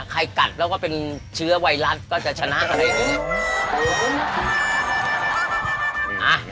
ใครกัดแล้วก็เป็นเชื้อไวรัสก็จะชนะอะไร